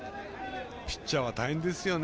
ピッチャーは大変ですよね